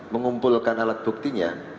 mengumpulkan alat buktinya